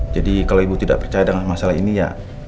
jadi kalau ibu tidak percaya dengan masalah ini ya